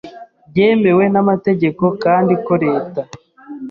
byemewe n’amategeko, kandi ko Leta